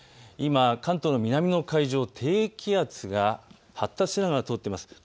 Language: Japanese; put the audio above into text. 今、関東の南の海上を低気圧が発達しながら通っています。